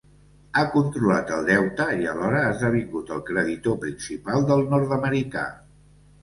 Ha controlat el deute i alhora ha esdevingut el creditor principal del nord-americà.